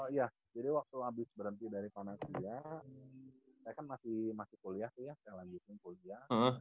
iya jadi waktu abis berhenti dari panasia saya kan masih kuliah sih ya saya lanjutin kuliah